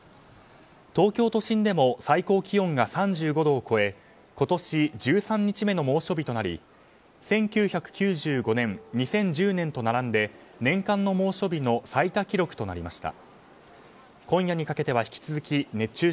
東京都心でも最高気温が３５度を超え今年１３日目の猛暑日となり１９９５年、２０１０年と並んで年間の猛暑日の最多記録となりました。